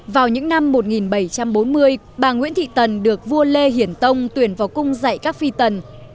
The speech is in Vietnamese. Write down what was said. vào những năm một nghìn bảy trăm bốn mươi bà nguyễn thị tần được vua lê hiển tông tuyển vào cung dạy các phi tần